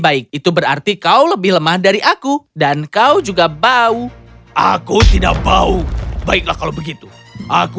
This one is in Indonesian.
baik itu berarti kau lebih lemah dari aku dan kau juga bau aku tidak bau baiklah kalau begitu aku